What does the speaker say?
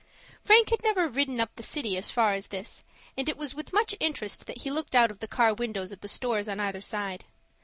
Frank had never ridden up the city as far as this, and it was with much interest that he looked out of the car windows at the stores on either side.